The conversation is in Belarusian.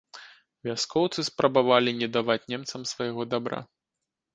Вяскоўцы спрабавалі не даваць немцам свайго дабра.